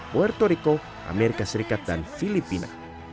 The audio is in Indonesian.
puerto rico amerika serikat dan filipina